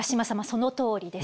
そのとおりです。